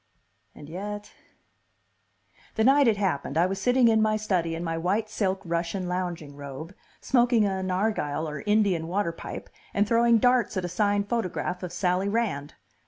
And yet.... The night it happened I was sitting in my study in my white silk Russian lounging robe, smoking a narghile or Indian water pipe and throwing darts at a signed photograph of Sally Rand.